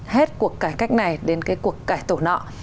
hết cuộc cải cách này đến cái cuộc cải tổ nọ